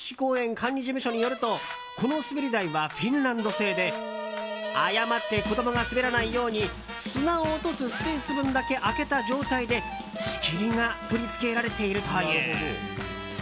管理事務所によるとこの滑り台はフィンランド製で誤って子供が滑らないように砂を落とすスペース分だけ開けた状態で仕切りが取りつけられているという。